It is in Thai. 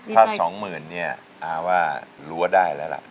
ถ้าสองหมื่นเนี่ยอาว่ารั้วได้แล้วล่ะ